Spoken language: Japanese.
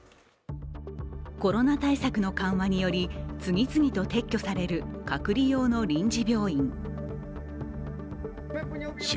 コロナ対策の緩和により、次々と撤去される、隔離用の臨時病院。